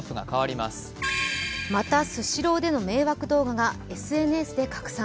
またスシローでの迷惑動画がＳＮＳで拡散。